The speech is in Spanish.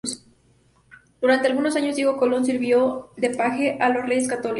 Durante algunos años, Diego Colón sirvió de paje a los Reyes Católicos.